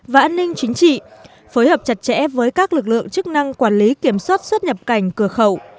và an ninh chính trị phối hợp chặt chẽ với các lực lượng chức năng quản lý kiểm soát xuất nhập cảnh cửa khẩu